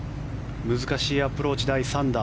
難しいアプローチ、第３打。